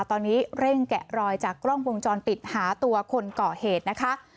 ตอนนี้เร่งแกะรอยจากกล้องวงจรปิดหาตัวคนก่อเหตุนะคะ